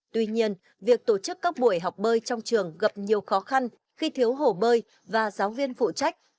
tuy nhiên việc tổ chức các buổi học bơi trong trường gặp nhiều khó khăn khi thiếu hổ bơi và giáo viên phụ trách